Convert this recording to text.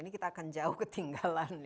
kita akan jauh ketinggalan